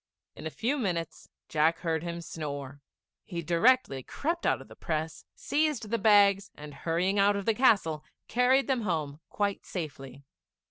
In a few minutes Jack heard him snore. He directly crept out of the press, seized the bags, and hurrying out of the castle, carried them home quite safely.